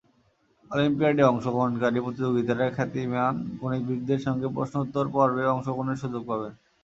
অলিম্পিয়াডে অংশগ্রহণকারী প্রতিযোগীরা খ্যাতিমান গণিতবিদদের সঙ্গে প্রশ্নোত্তর পর্বে অংশগ্রহণের সুযোগ পাবেন।